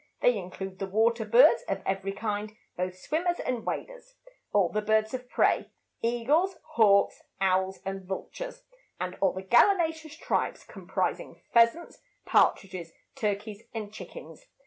They include the water birds of every kind, both swimmers and waders; all the birds of prey, eagles, hawks, owls, and vultures; and all the gallinaceous tribes, comprising pheasants, partridges, turkeys, and chickens.